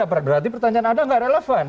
berarti pertanyaan anda nggak relevan